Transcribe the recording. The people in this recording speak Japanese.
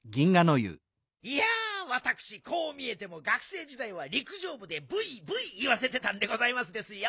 いやわたくしこう見えても学生じだいはりくじょうぶでブイブイいわせてたんでございますですよ。